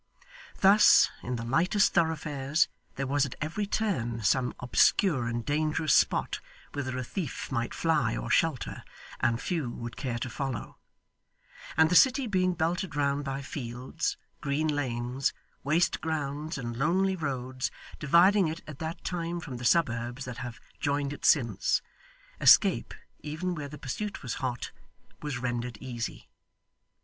Thus, in the lightest thoroughfares, there was at every turn some obscure and dangerous spot whither a thief might fly or shelter, and few would care to follow; and the city being belted round by fields, green lanes, waste grounds, and lonely roads, dividing it at that time from the suburbs that have joined it since, escape, even where the pursuit was hot, was rendered easy.